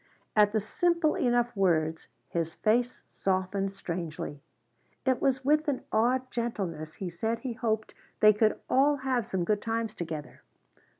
At the simple enough words his face softened strangely. It was with an odd gentleness he said he hoped they could all have some good times together.